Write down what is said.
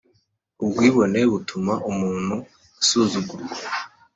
Ubwibone butuma umuntu asuzugurwa